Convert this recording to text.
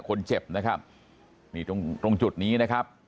คนเจ็บนะครับนี่ตรงตรงจุดนี้นะครับ